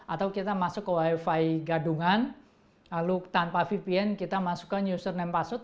atau kita masuk ke wifi gadungan lalu tanpa vpn kita masukkan user name password